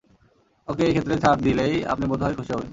ওকে এইক্ষেত্রে ছাড় দিলেই আপনি বোধ হয় খুশি হবেন।